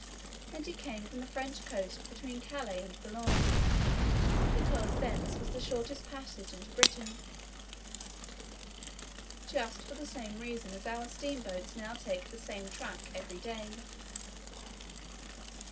And he came from the French coast between Calais and Boulogne, 'because thence was the shortest passage into Britain;' just for the same reason as our steam boats now take the same track, every day.